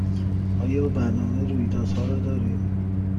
آیا برنامه رویدادها را دارید؟